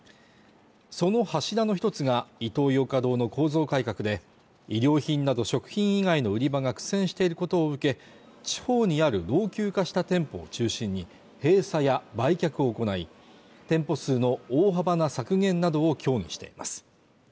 その柱の一つが、イトーヨーカドーの構造改革で、衣料品など食品以外の売り場が苦戦していることを受け、地方にある老朽化した店舗を中心に閉鎖や売却を行い、店舗数の大幅な削減などを協議しています。